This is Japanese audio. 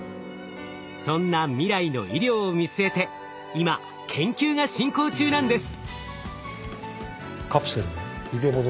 そんな未来の医療を見据えて今研究が進行中なんです！